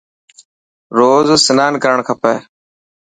روز سنان ڪرڻ کپي.